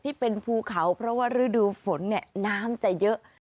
ที่เป็นภูเขาเพราะว่าฤดูฝนน้ำจะเยอะ